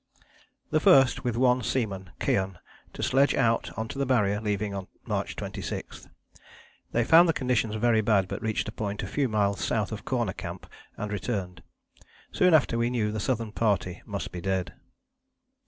The first with one seaman, Keohane, to sledge out on to the Barrier, leaving on March 26. They found the conditions very bad, but reached a point a few miles south of Corner Camp and returned. Soon after we knew the Southern Party must be dead.